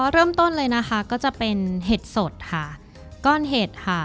เริ่มต้นเลยนะคะก็จะเป็นเห็ดสดค่ะก้อนเห็ดค่ะ